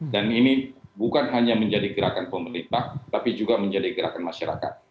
dan ini bukan hanya menjadi gerakan pemerintah tapi juga menjadi gerakan masyarakat